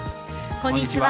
こんにちは。